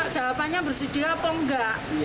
jawabannya bersedia apa nggak